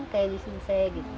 kayak di suse gitu